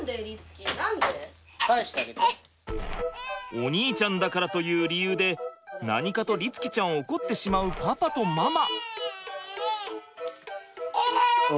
お兄ちゃんだからという理由で何かと律貴ちゃんを怒ってしまうパパとママ。